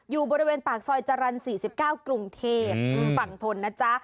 อยู่บริเวณปากซอยจรรย์๔๙กรุงเทพฝั่งทนนะจ๊ะ